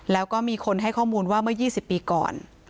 แล้วก็มีคนให้ข้อมูลว่าเมื่อ๒๐ปีก่อน